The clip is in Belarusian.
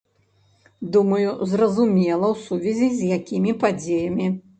Думаю, зразумела, у сувязі з якімі падзеямі.